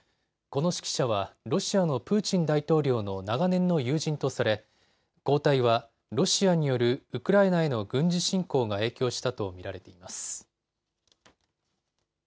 この指揮者はロシアのプーチン大統領の長年の友人とされ、交代はロシアによるウクライナへの軍事侵攻が影響したと見られています。